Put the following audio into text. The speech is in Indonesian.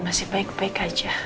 masih baik baik aja